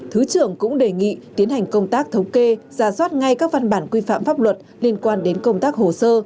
thứ trưởng cũng đề nghị tiến hành công tác thống kê giả soát ngay các văn bản quy phạm pháp luật liên quan đến công tác hồ sơ